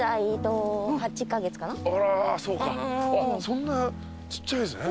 そんなちっちゃいんすね。